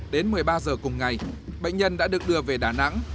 đến một mươi ba giờ cùng ngày bệnh nhân đã được đưa về đà nẵng